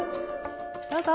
どうぞ！